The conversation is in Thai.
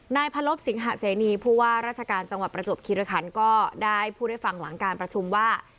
นายพลบสิงหะเสนีผู้ว่าราชการจังหวัดประจวบคิริคันก็ได้พูดให้ฟังหลังการประชุมว่า